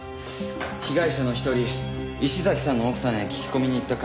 被害者の一人石崎さんの奥さんへ聞き込みに行った帰り